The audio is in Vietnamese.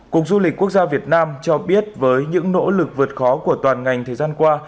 cục du lịch quốc gia việt nam cho biết với những nỗ lực vượt khó của toàn ngành thời gian qua